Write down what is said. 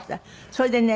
それでね